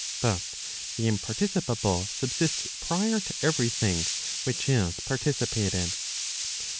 But the imparticipable subsists prior to every tiling which is .participated.